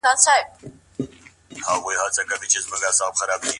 ډېر علمي اثار له منځه ولاړل.